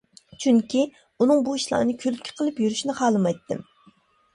چۈنكى، ئۇنىڭ بۇ ئىشلارنى كۈلكە قىلىپ يۈرۈشىنى خالىمايتتىم.